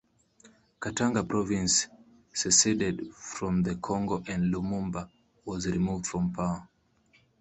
Katanga Province seceded from the Congo and Lumumba was removed from power.